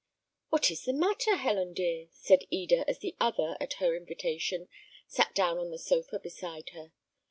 "What is the matter, Helen dear," said Eda, as the other, at her invitation, sat down on the sofa beside her.